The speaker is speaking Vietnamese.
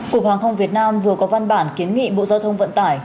cục hàng không việt nam vừa có văn bản kiến nghị bộ giao thông vận tải